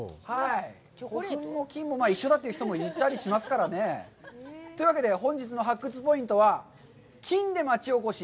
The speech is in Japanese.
古墳も金も一緒だという人もいたりしますからね。というわけで、本日の発掘ポイントは「金で町おこし！